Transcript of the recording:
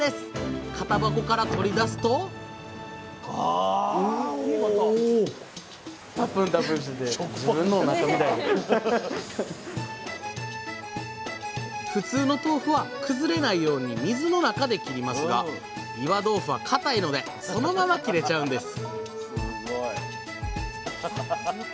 型箱から取り出すと普通の豆腐は崩れないように水の中で切りますが岩豆腐は固いのでそのまま切れちゃうんです！